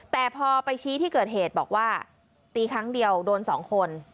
แต่พอไปชี้ที่เกิดเหตุบอกว่าตีครั้งเดียวโดน๒คน